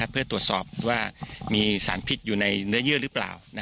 เพื่อตรวจสอบว่ามีสารพิษอยู่ในเนื้อเยื่อหรือเปล่า